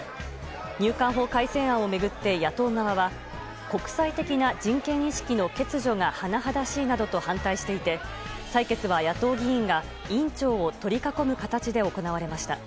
入管法改正案を巡って野党側は国際的な人権意識の欠如がはなはだしいなどと反対していて、採決は野党議員が委員長を取り囲む形で行われました。